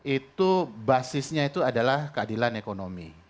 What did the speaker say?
itu basisnya itu adalah keadilan ekonomi